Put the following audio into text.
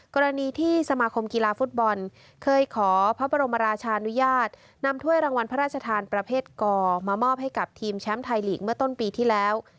กรณีที่สมาคมกีฬาฟุตบอลเคยขอพระบรมราชานุญาตนำถ้วยรางวัลพระราชทานประเภทกมามอบให้กับทีมแชมป์ไทยลีกเมื่อต้นปีที่แล้ว